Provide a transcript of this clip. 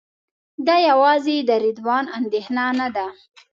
دا یوازې د رضوان اندېښنه نه ده.